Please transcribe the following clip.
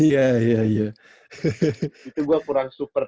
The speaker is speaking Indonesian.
itu gue kurang super